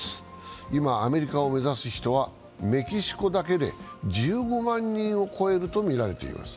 今、アメリカを目指す人はメキシコだけで１５万人を超えるとみられています。